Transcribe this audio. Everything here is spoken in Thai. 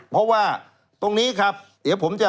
เพราะว่าตรงนี้ครับเดี๋ยวผมจะ